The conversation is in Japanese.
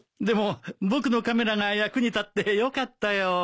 でも僕のカメラが役に立ってよかったよ。